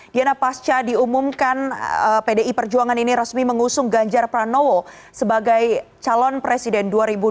diana pasca diumumkan pdi perjuangan ini resmi mengusung ganjar pranowo sebagai calon presiden dua ribu dua puluh